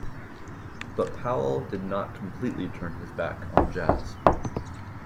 But Powell did not completely turn his back on jazz.